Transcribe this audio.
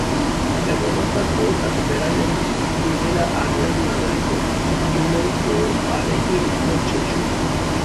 Erromatar poetek beraien Libera Ariadna greko-minoikoarekin lotzen zuten.